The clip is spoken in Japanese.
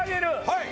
はい！